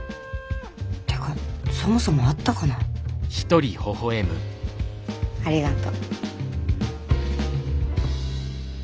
てかそもそもあったかな。ありがと。